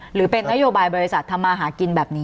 หรือเป็นนโยบายบริษัททำมาหากินแบบนี้